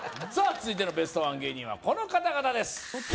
続いてのベストワン芸人はこの方々です